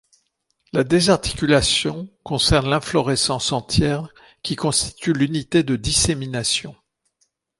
La désarticulation concerne l'inflorescence entière qui constitue l'unité de dissémination.